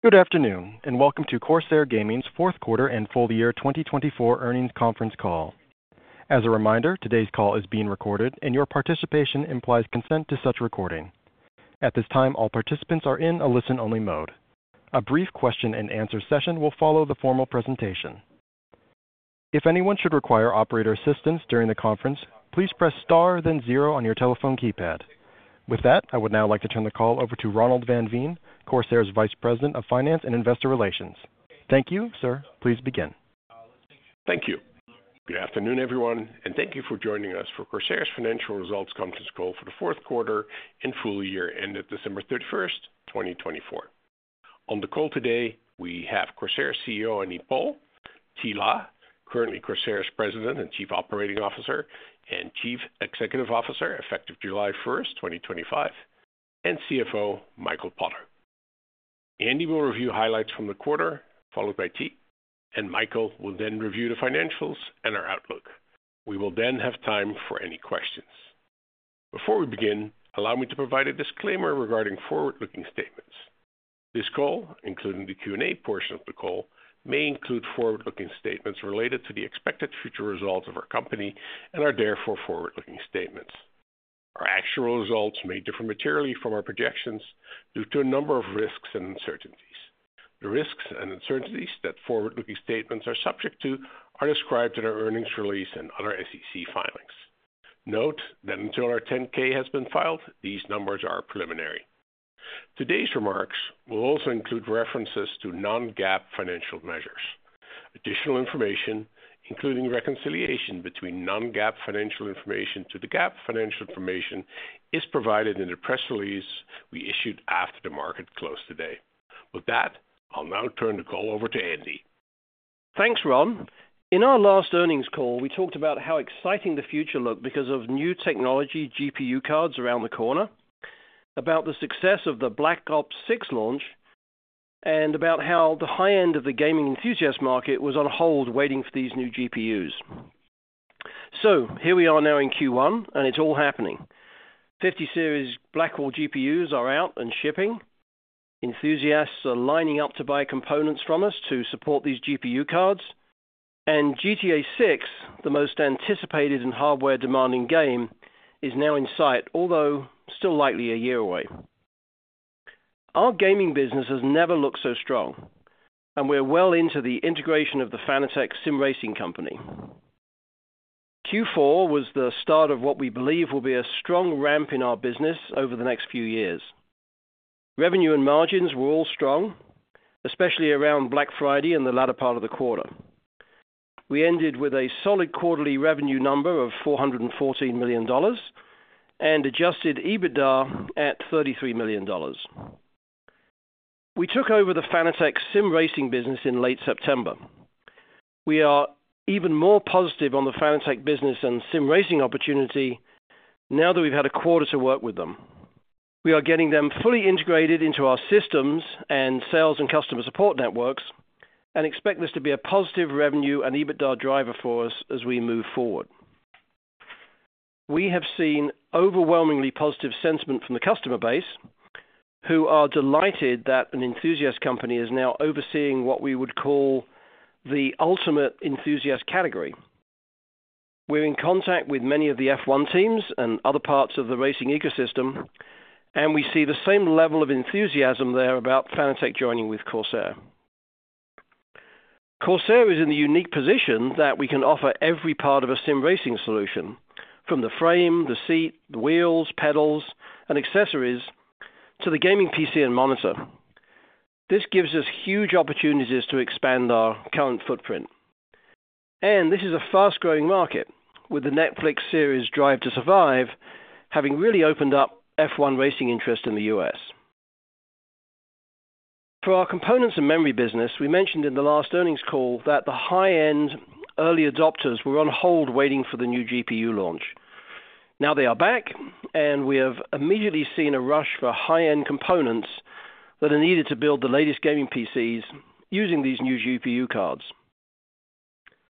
Good afternoon, and welcome to Corsair Gaming's fourth quarter and full year 2024 earnings conference call. As a reminder, today's call is being recorded, and your participation implies consent to such recording. At this time, all participants are in a listen-only mode. A brief question and answer session will follow the formal presentation. If anyone should require operator assistance during the conference, please press star then zero on your telephone keypad. With that, I would now like to turn the call over to Ronald van Veen, Corsair's Vice President of Finance and Investor Relations. Thank you, sir. Please begin. Thank you. Good afternoon, everyone, and thank you for joining us for Corsair's financial results conference call for the fourth quarter and full year ended December 31st, 2024. On the call today, we have Corsair CEO Andy Paul, Thi La, currently Corsair's President and Chief Operating Officer and Chief Executive Officer effective July 1st, 2025, and CFO Michael Potter. Andy will review highlights from the quarter, followed by Thi and Michael will then review the financials and our outlook. We will then have time for any questions. Before we begin, allow me to provide a disclaimer regarding forward-looking statements. This call, including the Q&A portion of the call, may include forward-looking statements related to the expected future results of our company and other forward-looking statements. Our actual results may differ materially from our projections due to a number of risks and uncertainties. The risks and uncertainties that forward-looking statements are subject to are described in our earnings release and other SEC filings. Note that until our 10-K has been filed, these numbers are preliminary. Today's remarks will also include references to non-GAAP financial measures. Additional information, including reconciliation between non-GAAP financial information to the GAAP financial information, is provided in the press release we issued after the market closed today. With that, I'll now turn the call over to Andy. Thanks, Ron. In our last earnings call, we talked about how exciting the future looked because of new technology GPU cards around the corner, about the success of the Black Ops 6 launch, and about how the high end of the gaming enthusiast market was on hold waiting for these new GPUs. So here we are now in Q1, and it's all happening. 50 Series Blackwell GPUs are out and shipping. Enthusiasts are lining up to buy components from us to support these GPU cards. And GTA 6, the most anticipated and hardware-demanding game, is now in sight, although still likely a year away. Our gaming business has never looked so strong, and we're well into the integration of the Fanatec Sim Racing company. Q4 was the start of what we believe will be a strong ramp in our business over the next few years. Revenue and margins were all strong, especially around Black Friday and the latter part of the quarter. We ended with a solid quarterly revenue number of $414 million and Adjusted EBITDA at $33 million. We took over the Fanatec Sim Racing business in late September. We are even more positive on the Fanatec business and Sim Racing opportunity now that we've had a quarter to work with them. We are getting them fully integrated into our systems and sales and customer support networks and expect this to be a positive revenue and EBITDA driver for us as we move forward. We have seen overwhelmingly positive sentiment from the customer base, who are delighted that an enthusiast company is now overseeing what we would call the ultimate enthusiast category. We're in contact with many of the F1 teams and other parts of the racing ecosystem, and we see the same level of enthusiasm there about Fanatec joining with Corsair. Corsair is in the unique position that we can offer every part of a Sim Racing solution, from the frame, the seat, the wheels, pedals, and accessories to the gaming PC and monitor. This gives us huge opportunities to expand our current footprint, and this is a fast-growing market, with the Netflix series Drive to Survive having really opened up F1 racing interest in the US. For our components and memory business, we mentioned in the last earnings call that the high-end early adopters were on hold waiting for the new GPU launch. Now they are back, and we have immediately seen a rush for high-end components that are needed to build the latest gaming PCs using these new GPU cards.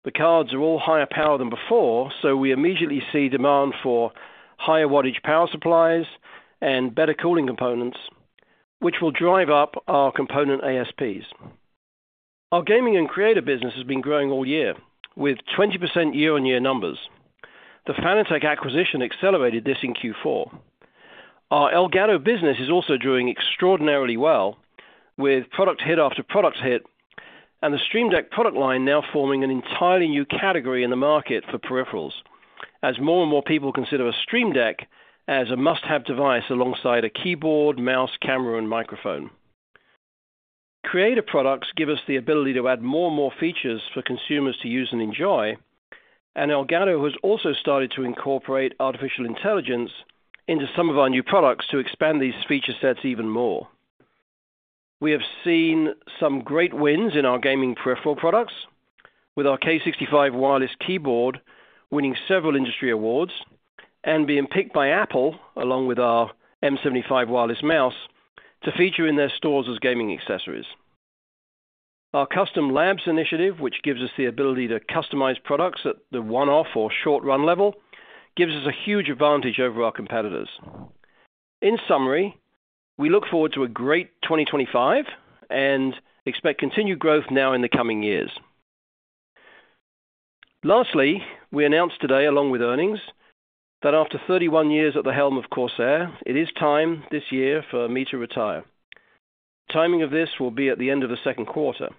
The cards are all higher power than before, so we immediately see demand for higher wattage power supplies and better cooling components, which will drive up our component ASPs. Our gaming and creator business has been growing all year, with 20% year-on-year numbers. The Fanatec acquisition accelerated this in Q4. Our Elgato business is also doing extraordinarily well, with product hit after product hit and the Stream Deck product line now forming an entirely new category in the market for peripherals, as more and more people consider a Stream Deck as a must-have device alongside a keyboard, mouse, camera, and microphone. Creator products give us the ability to add more and more features for consumers to use and enjoy, and Elgato has also started to incorporate artificial intelligence into some of our new products to expand these feature sets even more. We have seen some great wins in our gaming peripheral products, with our K65 wireless keyboard winning several industry awards and being picked by Apple, along with our M75 wireless mouse, to feature in their stores as gaming accessories. Our Custom Labs initiative, which gives us the ability to customize products at the one-off or short-run level, gives us a huge advantage over our competitors. In summary, we look forward to a great 2025 and expect continued growth now in the coming years. Lastly, we announced today, along with earnings, that after 31 years at the helm of Corsair, it is time this year for me to retire. Timing of this will be at the end of the second quarter.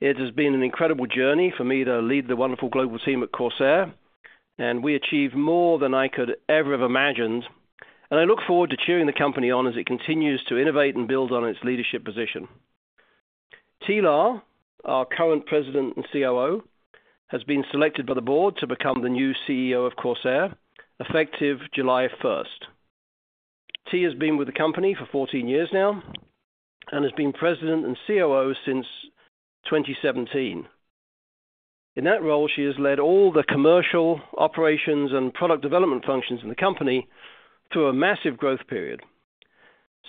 It has been an incredible journey for me to lead the wonderful global team at Corsair, and we achieved more than I could ever have imagined, and I look forward to cheering the company on as it continues to innovate and build on its leadership position. Thi La, our current President and COO, has been selected by the board to become the new CEO of Corsair, effective July 1st. Thi has been with the company for 14 years now and has been President and COO since 2017. In that role, she has led all the commercial operations and product development functions in the company through a massive growth period.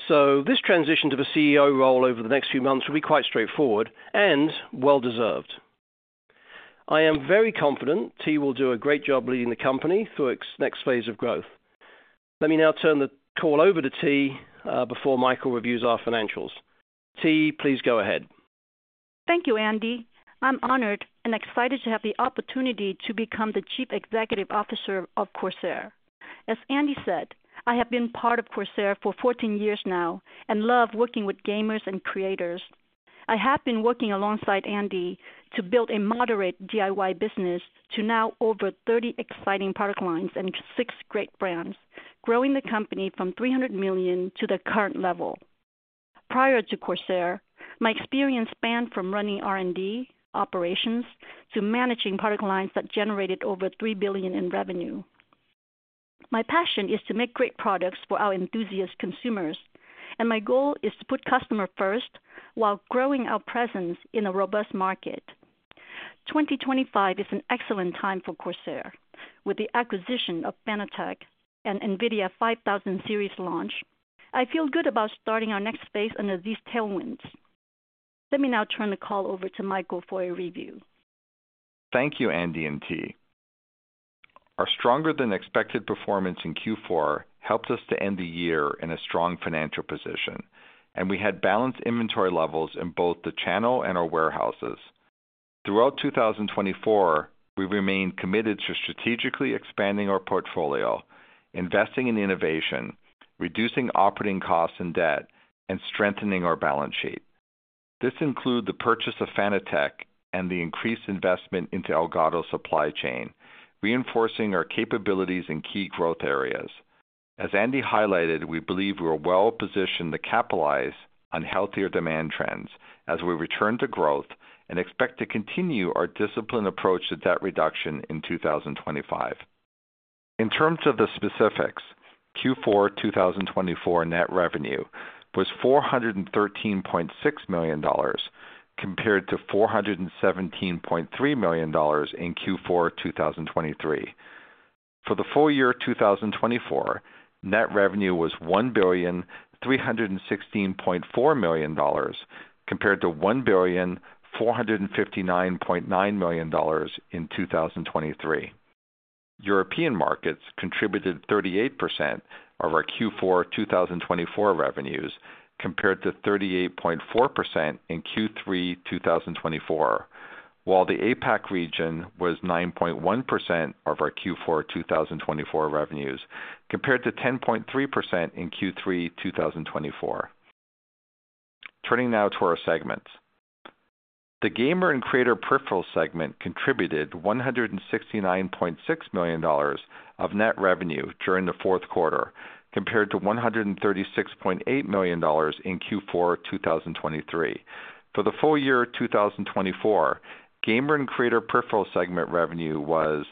So this transition to the CEO role over the next few months will be quite straightforward and well-deserved. I am very confident Thi will do a great job leading the company through its next phase of growth. Let me now turn the call over to T before Michael reviews our financials. Thi, please go ahead. Thank you, Andy. I'm honored and excited to have the opportunity to become the Chief Executive Officer of Corsair. As Andy said, I have been part of Corsair for 14 years now and love working with gamers and creators. I have been working alongside Andy to build a moderate DIY business to now over 30 exciting product lines and six great brands, growing the company from $300 million to the current level. Prior to Corsair, my experience spanned from running R&D operations to managing product lines that generated over $3 billion in revenue. My passion is to make great products for our enthusiast consumers, and my goal is to put customer first while growing our presence in a robust market. 2025 is an excellent time for Corsair. With the acquisition of Fanatec and NVIDIA 5000 series launch, I feel good about starting our next phase under these tailwinds. Let me now turn the call over to Michael for a review. Thank you, Andy and Thi. Our stronger-than-expected performance in Q4 helped us to end the year in a strong financial position, and we had balanced inventory levels in both the channel and our warehouses. Throughout 2024, we remained committed to strategically expanding our portfolio, investing in innovation, reducing operating costs and debt, and strengthening our balance sheet. This included the purchase of Fanatec and the increased investment into Elgato's supply chain, reinforcing our capabilities in key growth areas. As Andy highlighted, we believe we are well-positioned to capitalize on healthier demand trends as we return to growth and expect to continue our disciplined approach to debt reduction in 2025. In terms of the specifics, Q4 2024 net revenue was $413.6 million compared to $417.3 million in Q4 2023. For the full year 2024, net revenue was $1,316.4 million compared to $1,459.9 million in 2023. European markets contributed 38% of our Q4 2024 revenues compared to 38.4% in Q3 2024, while the APAC region was 9.1% of our Q4 2024 revenues compared to 10.3% in Q3 2024. Turning now to our segments. The gamer and creator peripheral segment contributed $169.6 million of net revenue during the fourth quarter compared to $136.8 million in Q4 2023. For the full year 2024, gamer and creator peripheral segment revenue was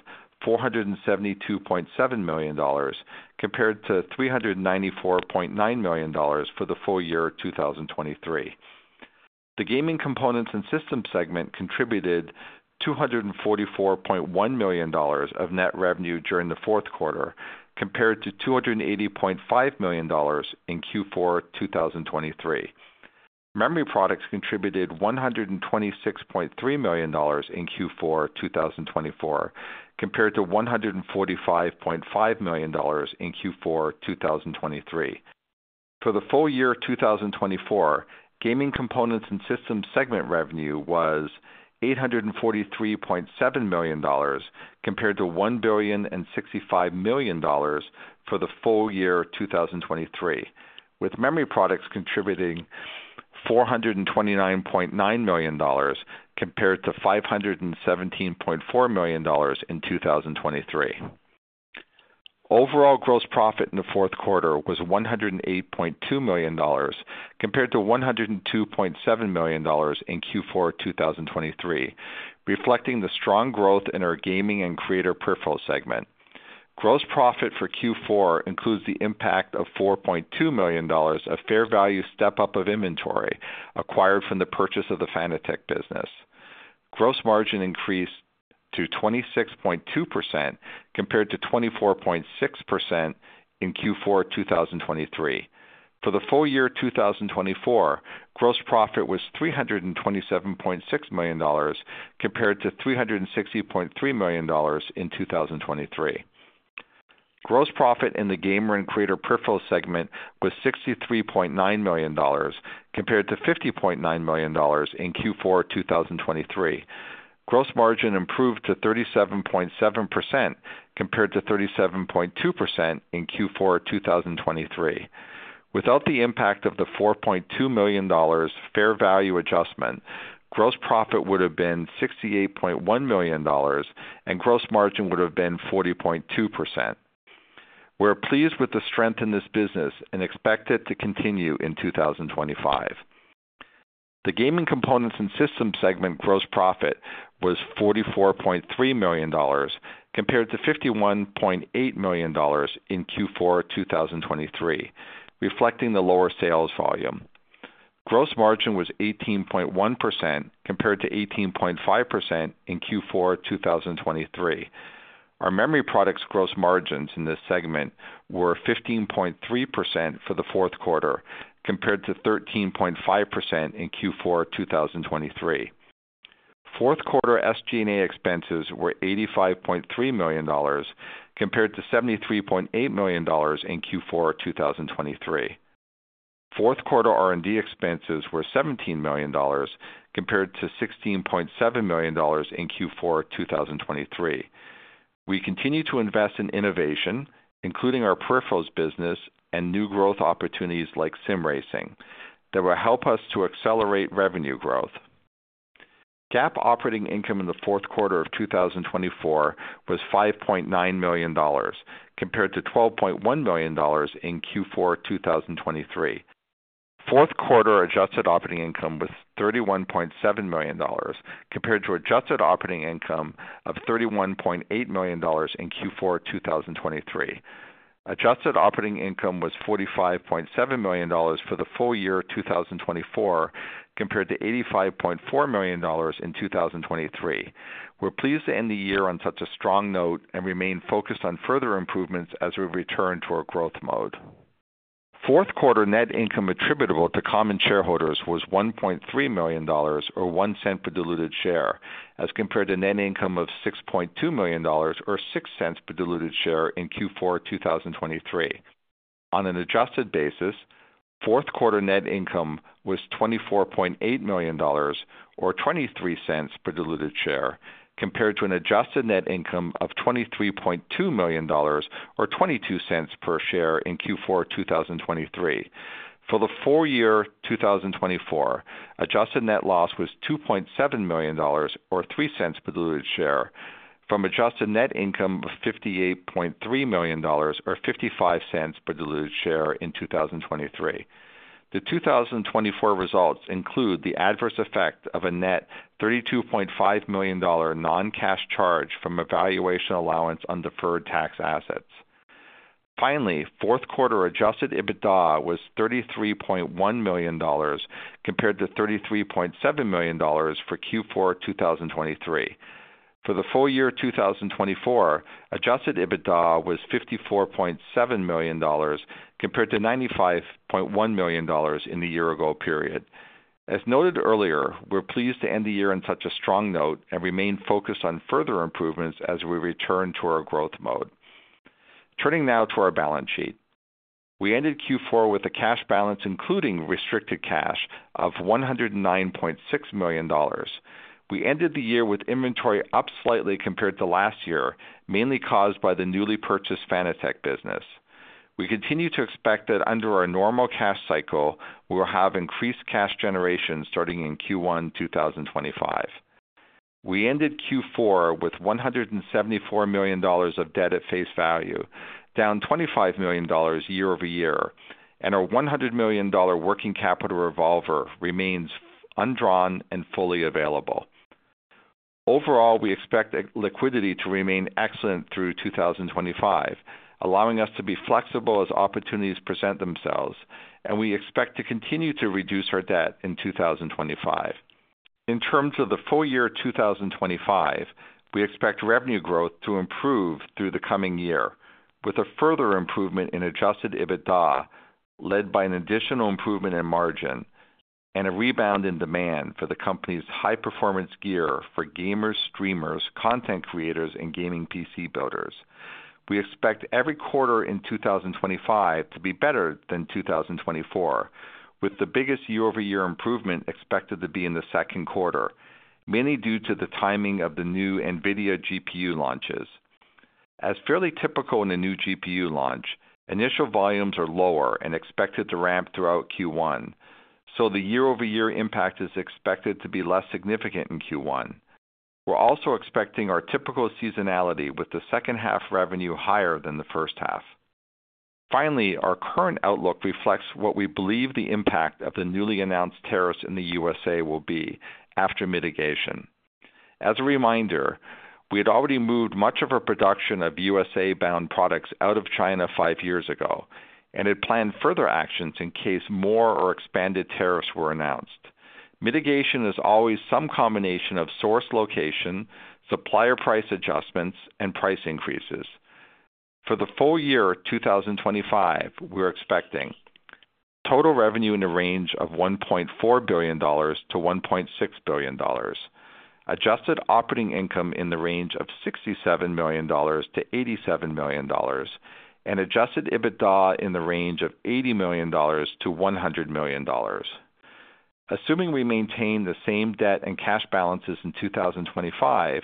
$472.7 million compared to $394.9 million for the full year 2023. The gaming components and systems segment contributed $244.1 million of net revenue during the fourth quarter compared to $280.5 million in Q4 2023. Memory products contributed $126.3 million in Q4 2024 compared to $145.5 million in Q4 2023. For the full year 2024, gaming components and systems segment revenue was $843.7 million compared to $1.065 billion for the full year 2023, with memory products contributing $429.9 million compared to $517.4 million in 2023. Overall gross profit in the fourth quarter was $108.2 million compared to $102.7 million in Q4 2023, reflecting the strong growth in our gaming and creator peripheral segment. Gross profit for Q4 includes the impact of $4.2 million of fair value step-up of inventory acquired from the purchase of the Fanatec business. Gross margin increased to 26.2% compared to 24.6% in Q4 2023. For the full year 2024, gross profit was $327.6 million compared to $360.3 million in 2023. Gross profit in the gamer and creator peripheral segment was $63.9 million compared to $50.9 million in Q4 2023. Gross margin improved to 37.7% compared to 37.2% in Q4 2023. Without the impact of the $4.2 million fair value adjustment, gross profit would have been $68.1 million and gross margin would have been 40.2%. We're pleased with the strength in this business and expect it to continue in 2025. The gaming components and systems segment gross profit was $44.3 million compared to $51.8 million in Q4 2023, reflecting the lower sales volume. Gross margin was 18.1% compared to 18.5% in Q4 2023. Our memory products gross margins in this segment were 15.3% for the fourth quarter compared to 13.5% in Q4 2023. Fourth quarter SG&A expenses were $85.3 million compared to $73.8 million in Q4 2023. Fourth quarter R&D expenses were $17 million compared to $16.7 million in Q4 2023. We continue to invest in innovation, including our peripherals business and new growth opportunities like Sim Racing that will help us to accelerate revenue growth. GAAP operating income in the fourth quarter of 2024 was $5.9 million compared to $12.1 million in Q4 2023. Fourth quarter adjusted operating income was $31.7 million compared to adjusted operating income of $31.8 million in Q4 2023. Adjusted operating income was $45.7 million for the full year 2024 compared to $85.4 million in 2023. We're pleased to end the year on such a strong note and remain focused on further improvements as we return to our growth mode. Fourth quarter net income attributable to common shareholders was $1.3 million, or $0.01 per diluted share, as compared to net income of $6.2 million, or $0.06 per diluted share in Q4 2023. On an adjusted basis, fourth quarter net income was $24.8 million, or $0.23 per diluted share, compared to an adjusted net income of $23.2 million, or $0.22 per share in Q4 2023. For the full year 2024, adjusted net loss was $2.7 million, or three cents per diluted share, from adjusted net income of $58.3 million, or 55 cents per diluted share in 2023. The 2024 results include the adverse effect of a net $32.5 million non-cash charge from a valuation allowance on deferred tax assets. Finally, fourth quarter Adjusted EBITDA was $33.1 million compared to $33.7 million for Q4 2023. For the full year 2024, Adjusted EBITDA was $54.7 million compared to $95.1 million in the year-ago period. As noted earlier, we're pleased to end the year on such a strong note and remain focused on further improvements as we return to our growth mode. Turning now to our balance sheet. We ended Q4 with a cash balance, including restricted cash, of $109.6 million. We ended the year with inventory up slightly compared to last year, mainly caused by the newly purchased Fanatec business. We continue to expect that under our normal cash cycle, we will have increased cash generation starting in Q1 2025. We ended Q4 with $174 million of debt at face value, down $25 million year over year, and our $100 million working capital revolver remains undrawn and fully available. Overall, we expect liquidity to remain excellent through 2025, allowing us to be flexible as opportunities present themselves, and we expect to continue to reduce our debt in 2025. In terms of the full year 2025, we expect revenue growth to improve through the coming year with a further improvement in Adjusted EBITDA led by an additional improvement in margin and a rebound in demand for the company's high-performance gear for gamers, streamers, content creators, and gaming PC builders. We expect every quarter in 2025 to be better than 2024, with the biggest year-over-year improvement expected to be in the second quarter, mainly due to the timing of the new NVIDIA GPU launches. As fairly typical in a new GPU launch, initial volumes are lower and expected to ramp throughout Q1, so the year-over-year impact is expected to be less significant in Q1. We're also expecting our typical seasonality with the second half revenue higher than the first half. Finally, our current outlook reflects what we believe the impact of the newly announced tariffs in the USA will be after mitigation. As a reminder, we had already moved much of our production of USA-bound products out of China five years ago and had planned further actions in case more or expanded tariffs were announced. Mitigation is always some combination of source location, supplier price adjustments, and price increases. For the full year 2025, we're expecting total revenue in the range of $1.4 billion-$1.6 billion, adjusted operating income in the range of $67 million-$87 million, and adjusted EBITDA in the range of $80 million-$100 million. Assuming we maintain the same debt and cash balances in 2025,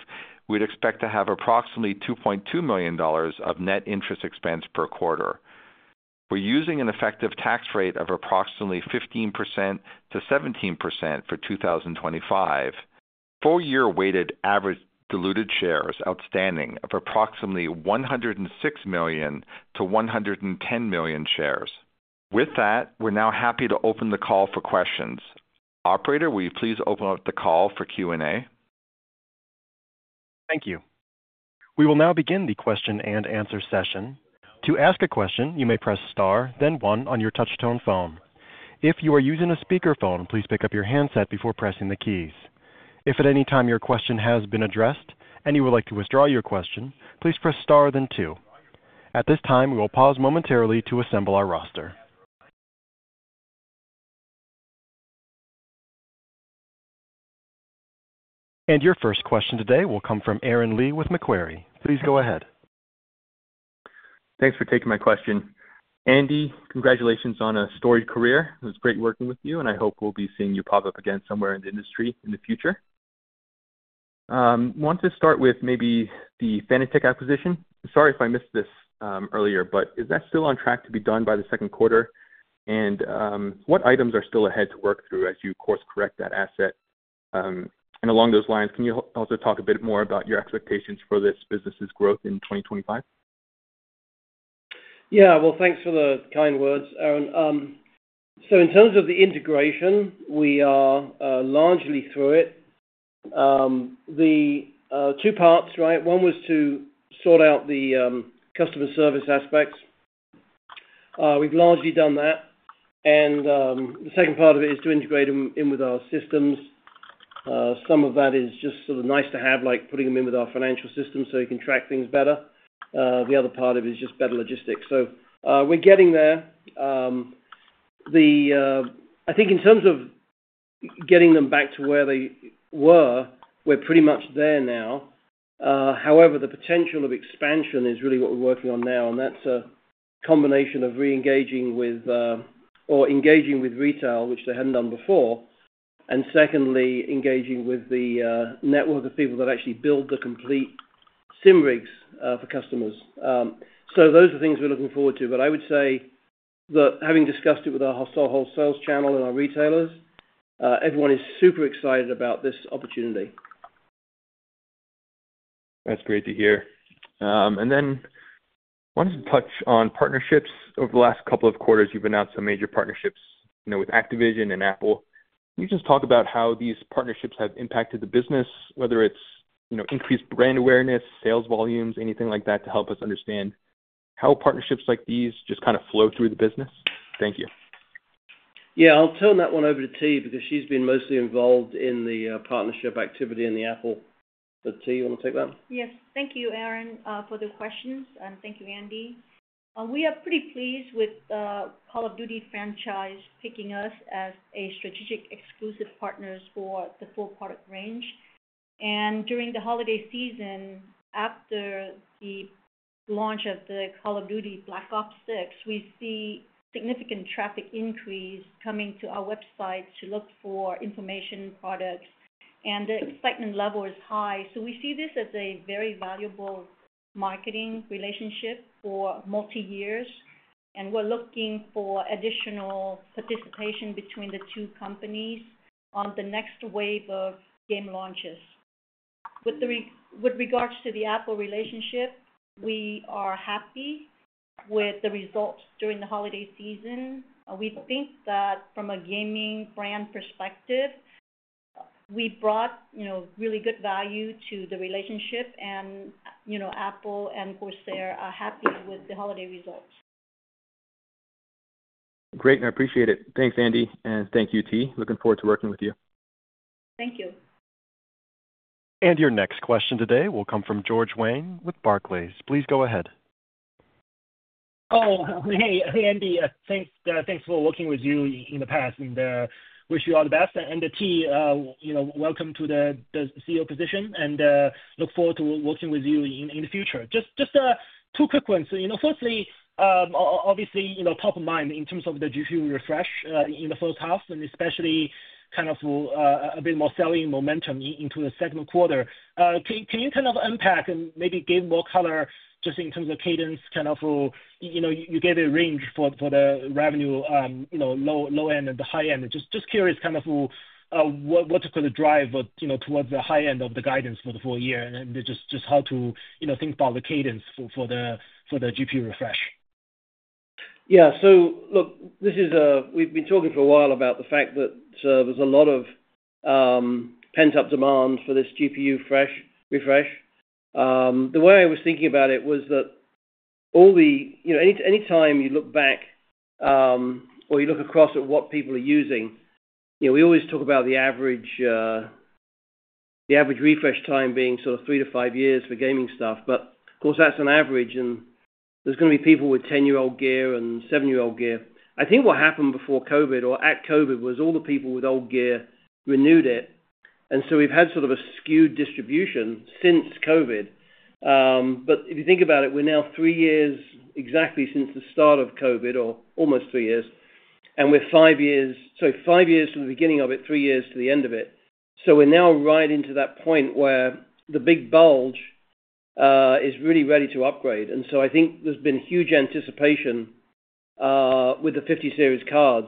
we'd expect to have approximately $2.2 million of net interest expense per quarter. We're using an effective tax rate of approximately 15%-17% for 2025. Full-year weighted average diluted shares outstanding of approximately 106 million-110 million shares. With that, we're now happy to open the call for questions. Operator, will you please open up the call for Q&A? Thank you. We will now begin the question and answer session. To ask a question, you may press star, then one on your touch-tone phone. If you are using a speakerphone, please pick up your handset before pressing the keys. If at any time your question has been addressed and you would like to withdraw your question, please press star, then two. At this time, we will pause momentarily to assemble our roster. Your first question today will come from Aaron Lee with Macquarie. Please go ahead. Thanks for taking my question. Andy, congratulations on a storied career. It was great working with you, and I hope we'll be seeing you pop up again somewhere in the industry in the future. I want to start with maybe the Fanatec acquisition. Sorry if I missed this earlier, but is that still on track to be done by the second quarter? And what items are still ahead to work through as you course-correct that asset? And along those lines, can you also talk a bit more about your expectations for this business's growth in 2025? Yeah. Well, thanks for the kind words, Aaron. So in terms of the integration, we are largely through it. The two parts, right? One was to sort out the customer service aspects. We've largely done that, and the second part of it is to integrate them in with our systems. Some of that is just sort of nice to have, like putting them in with our financial system so you can track things better. The other part of it is just better logistics. So we're getting there. I think in terms of getting them back to where they were, we're pretty much there now. However, the potential of expansion is really what we're working on now, and that's a combination of re-engaging with or engaging with retail, which they hadn't done before, and secondly, engaging with the network of people that actually build the complete sim rigs for customers. So those are things we're looking forward to. But I would say that having discussed it with our whole sales channel and our retailers, everyone is super excited about this opportunity. That's great to hear. And then I wanted to touch on partnerships. Over the last couple of quarters, you've announced some major partnerships with Activision and Apple. Can you just talk about how these partnerships have impacted the business, whether it's increased brand awareness, sales volumes, anything like that, to help us understand how partnerships like these just kind of flow through the business? Thank you. Yeah. I'll turn that one over to Thi because she's been mostly involved in the partnership activity in the Apple. But Thi, you want to take that? Yes. Thank you, Aaron, for the questions, and thank you, Andy. We are pretty pleased with Call of Duty franchise picking us as a strategic exclusive partner for the full product range. During the holiday season, after the launch of the Call of Duty Black Ops 6, we see significant traffic increase coming to our website to look for information products, and the excitement level is high. We see this as a very valuable marketing relationship for multi-year, and we're looking for additional participation between the two companies on the next wave of game launches. With regards to the Apple relationship, we are happy with the results during the holiday season. We think that from a gaming brand perspective, we brought really good value to the relationship, and Apple and Corsair are happy with the holiday results. Great. I appreciate it. Thanks, Andy, and thank you, Thi. Looking forward to working with you. Thank you. Your next question today will come from George Wang with Barclays. Please go ahead. Oh, hey, Andy. Thanks for working with you in the past, and wish you all the best. And Thi, welcome to the CEO position, and look forward to working with you in the future. Just two quick ones. Firstly, obviously, top of mind in terms of the GPU refresh in the first half, and especially kind of a bit more selling momentum into the second quarter. Can you kind of unpack and maybe give more color just in terms of cadence? Kind of you gave a range for the revenue, low end and the high end. Just curious kind of what could drive towards the high end of the guidance for the full year and just how to think about the cadence for the GPU refresh. Yeah, so look, we've been talking for a while about the fact that there's a lot of pent-up demand for this GPU refresh. The way I was thinking about it was that any time you look back or you look across at what people are using, we always talk about the average refresh time being sort of three to five years for gaming stuff. But of course, that's an average, and there's going to be people with 10-year-old gear and seven-year-old gear. I think what happened before COVID or at COVID was all the people with old gear renewed it, and so we've had sort of a skewed distribution since COVID, but if you think about it, we're now three years exactly since the start of COVID, or almost three years, and we're five years - sorry, five years to the beginning of it, three years to the end of it. So we're now right into that point where the big bulge is really ready to upgrade. And so I think there's been huge anticipation with the 50-series cards.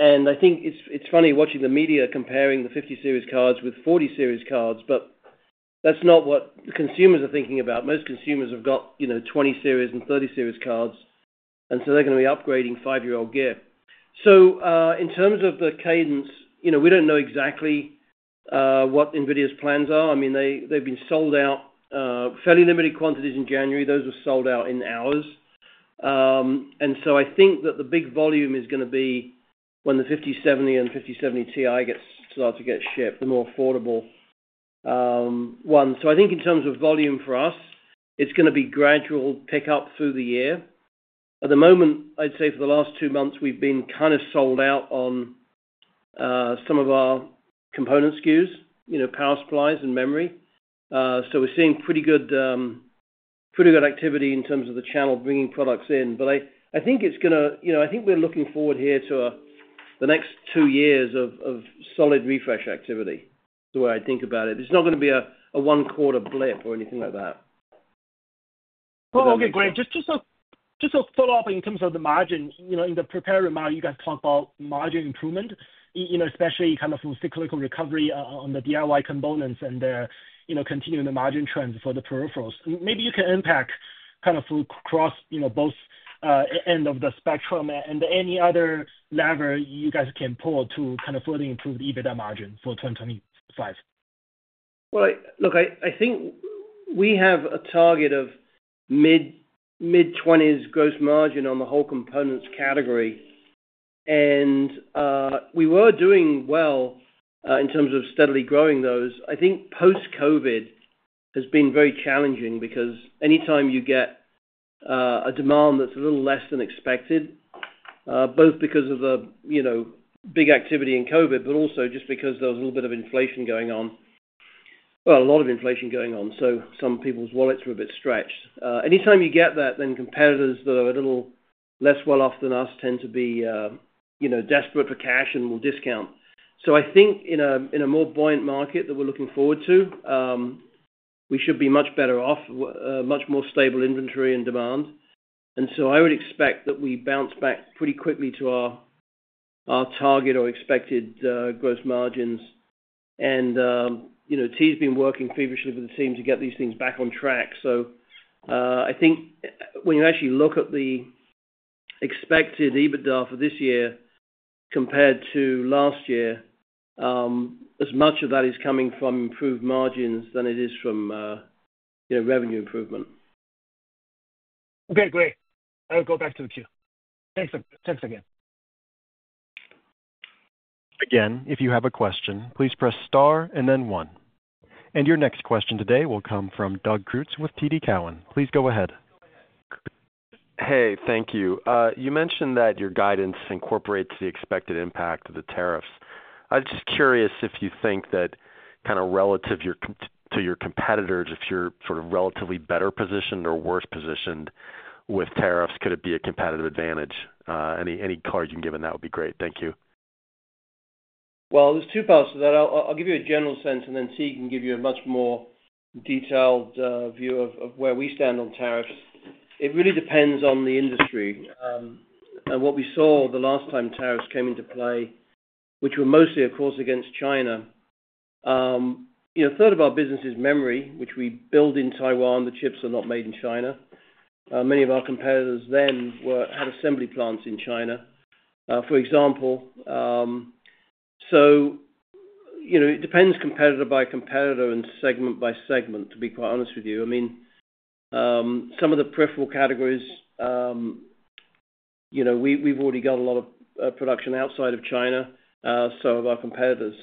And I think it's funny watching the media comparing the 50-series cards with 40-series cards, but that's not what consumers are thinking about. Most consumers have got 20-series and 30-series cards, and so they're going to be upgrading 5-year-old gear. So in terms of the cadence, we don't know exactly what NVIDIA's plans are. I mean, they've been sold out, fairly limited quantities in January. Those were sold out in hours. And so I think that the big volume is going to be when the 5070 and 5070 Ti start to get shipped, the more affordable ones. So I think in terms of volume for us, it's going to be gradual pickup through the year. At the moment, I'd say for the last two months, we've been kind of sold out on some of our component SKUs, power supplies and memory. So we're seeing pretty good activity in terms of the channel bringing products in. But I think it's going to. I think we're looking forward here to the next two years of solid refresh activity, the way I think about it. It's not going to be a one-quarter blip or anything like that. Okay, Greg, just a follow-up in terms of the margin. In the prepared remark, you guys talked about margin improvement, especially kind of cyclical recovery on the DIY components and continuing the margin trends for the peripherals. Maybe you can unpack kind of across both ends of the spectrum and any other lever you guys can pull to kind of further improve the EBITDA margin for 2025? Look, I think we have a target of mid-20s% gross margin on the whole components category, and we were doing well in terms of steadily growing those. I think post-COVID has been very challenging because anytime you get a demand that's a little less than expected, both because of the big activity in COVID, but also just because there was a little bit of inflation going on, well, a lot of inflation going on, so some people's wallets were a bit stretched. Anytime you get that, then competitors that are a little less well-off than us tend to be desperate for cash and will discount. I think in a more buoyant market that we're looking forward to, we should be much better off, much more stable inventory and demand, so I would expect that we bounce back pretty quickly to our target or expected gross margins. And Thi's been working feverishly with the team to get these things back on track. So I think when you actually look at the expected EBITDA for this year compared to last year, as much of that is coming from improved margins than it is from revenue improvement. Okay, great. I'll go back to the queue. Thanks again. Again, if you have a question, please press star and then one. And your next question today will come from Doug Creutz with TD Cowen. Please go ahead. Hey, thank you. You mentioned that your guidance incorporates the expected impact of the tariffs. I'm just curious if you think that kind of relative to your competitors, if you're sort of relatively better positioned or worse positioned with tariffs, could it be a competitive advantage? Any color you can give us, that would be great. Thank you. There's two parts to that. I'll give you a general sense, and then Thi can give you a much more detailed view of where we stand on tariffs. It really depends on the industry. What we saw the last time tariffs came into play, which were mostly, of course, against China. A third of our business is memory, which we build in Taiwan. The chips are not made in China. Many of our competitors then had assembly plants in China, for example. It depends competitor by competitor and segment by segment, to be quite honest with you. I mean, some of the peripheral categories, we've already got a lot of production outside of China, so have our competitors.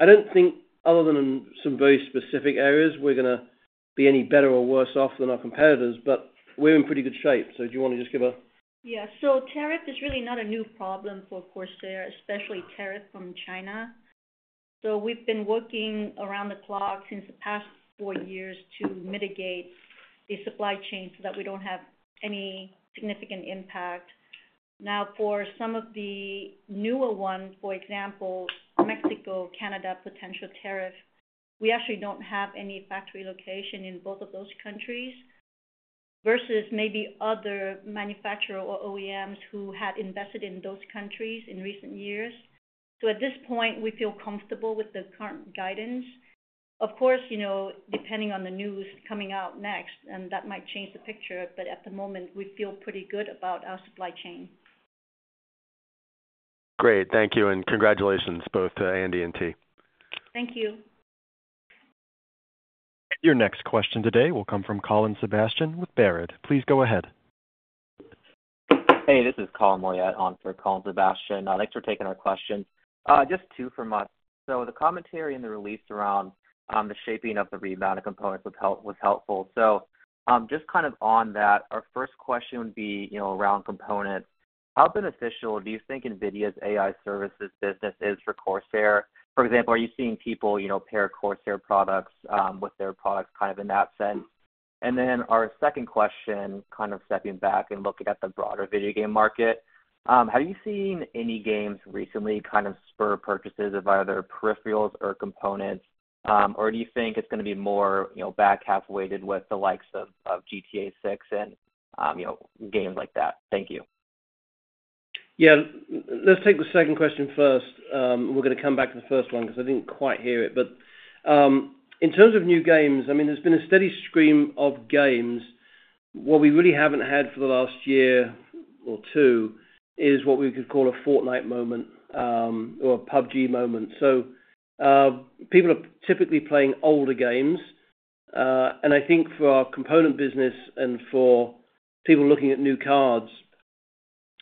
I don't think other than in some very specific areas, we're going to be any better or worse off than our competitors. We're in pretty good shape. So do you want to just give a? Yeah. So tariff is really not a new problem for Corsair, especially tariff from China. So we've been working around the clock since the past four years to mitigate the supply chain so that we don't have any significant impact. Now, for some of the newer ones, for example, Mexico, Canada potential tariff, we actually don't have any factory location in both of those countries versus maybe other manufacturers or OEMs who had invested in those countries in recent years. So at this point, we feel comfortable with the current guidance. Of course, depending on the news coming out next, and that might change the picture, but at the moment, we feel pretty good about our supply chain. Great. Thank you, and congratulations both to Andy and Thi. Thank you. Your next question today will come from Colin Sebastian with Baird. Please go ahead. Hey, this is Colin Moynihan on for Colin Sebastian. Thanks for taking our questions. Just two from us. So the commentary in the release around the shaping of the rebound of components was helpful. So just kind of on that, our first question would be around components. How beneficial do you think NVIDIA's AI services business is for Corsair? For example, are you seeing people pair Corsair products with their products kind of in that sense? And then our second question, kind of stepping back and looking at the broader video game market, have you seen any games recently kind of spur purchases of either peripherals or components, or do you think it's going to be more back half weighted with the likes of GTA 6 and games like that? Thank you. Yeah. Let's take the second question first. We're going to come back to the first one because I didn't quite hear it. But in terms of new games, I mean, there's been a steady stream of games. What we really haven't had for the last year or two is what we could call a Fortnite moment or a PUBG moment. So people are typically playing older games. And I think for our component business and for people looking at new cards,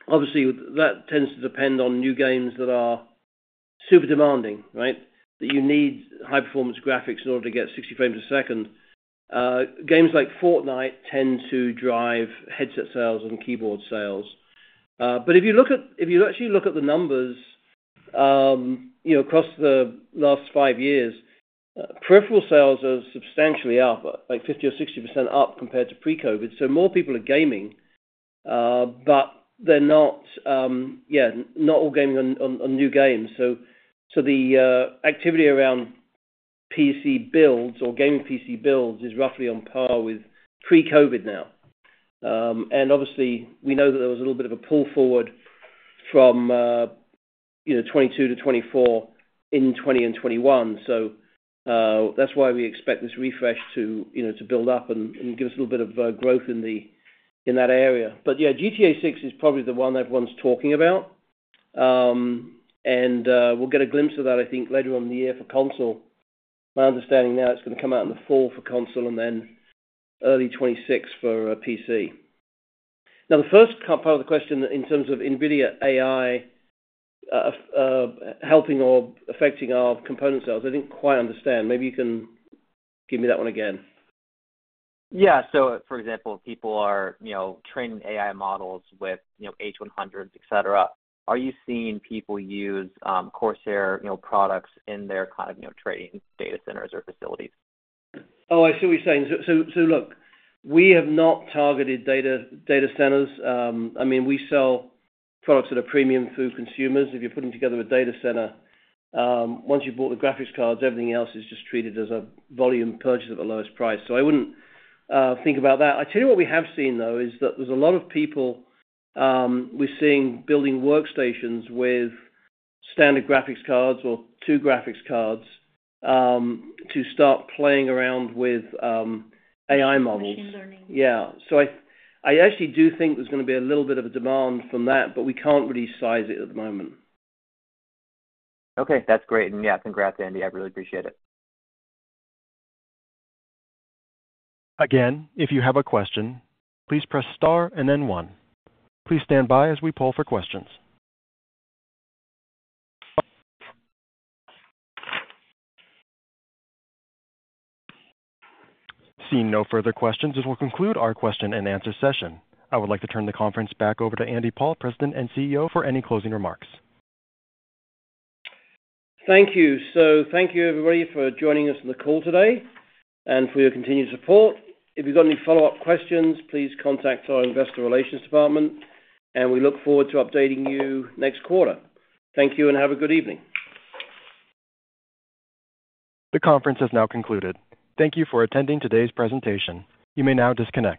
obviously, that tends to depend on new games that are super demanding, right, that you need high-performance graphics in order to get 60 frames a second. Games like Fortnite tend to drive headset sales and keyboard sales. But if you actually look at the numbers across the last five years, peripheral sales are substantially up, like 50% or 60% up compared to pre-COVID. So more people are gaming, but they're not, yeah, not all gaming on new games. So the activity around PC builds or gaming PC builds is roughly on par with pre-COVID now. And obviously, we know that there was a little bit of a pull forward from 2022 to 2024 in 2020 and 2021. So that's why we expect this refresh to build up and give us a little bit of growth in that area. But yeah, GTA 6 is probably the one everyone's talking about. And we'll get a glimpse of that, I think, later on in the year for console. My understanding now it's going to come out in the fall for console and then early 2026 for PC. Now, the first part of the question in terms of NVIDIA AI helping or affecting our component sales, I didn't quite understand. Maybe you can give me that one again. Yeah. So for example, people are training AI models with H100s, etc. Are you seeing people use Corsair products in their kind of training data centers or facilities? Oh, I see what you're saying. So look, we have not targeted data centers. I mean, we sell products that are premium through consumers. If you're putting together a data center, once you've bought the graphics cards, everything else is just treated as a volume purchase at the lowest price. So I wouldn't think about that. I'll tell you what we have seen, though, is that there's a lot of people we're seeing building workstations with standard graphics cards or two graphics cards to start playing around with AI models. Machine learning. Yeah. So I actually do think there's going to be a little bit of a demand from that, but we can't really size it at the moment. Okay. That's great. And yeah, congrats, Andy. I really appreciate it. Again, if you have a question, please press star and then one. Please stand by as we poll for questions. Seeing no further questions, this will conclude our question and answer session. I would like to turn the conference back over to Andy Paul, President and CEO, for any closing remarks. Thank you. So thank you, everybody, for joining us in the call today and for your continued support. If you've got any follow-up questions, please contact our investor relations department, and we look forward to updating you next quarter. Thank you and have a good evening. The conference has now concluded. Thank you for attending today's presentation. You may now disconnect.